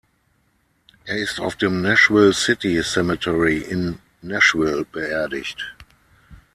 Er ist auf dem "Nashville City Cemetery" in Nashville beerdigt.